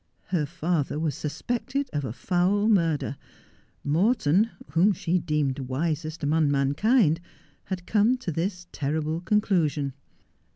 Her father was suspected of a foul murder. Morton, whom she deemed wisest among mankind, had come to this terrible conclusion.